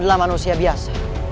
aku adalah manusia biasa